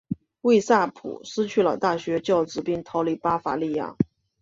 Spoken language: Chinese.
魏萨普失去了大学教职并逃离巴伐利亚。